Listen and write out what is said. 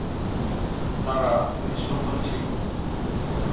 তাঁরা নিঃসন্তান ছিল।